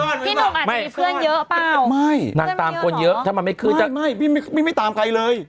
พี่หนุ่มอาจจะมีเพื่อนเยอะเปล่าไม่นางตามคนเยอะถ้ามันไม่ขึ้นฉันไม่ไม่ตามใครเลย